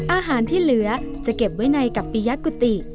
อาหารที่เหลือจะเก็บไว้ในกับปียกุฏิ